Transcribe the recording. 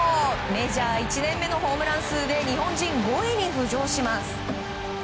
メジャー１年目のホームラン数で日本人５位に浮上します。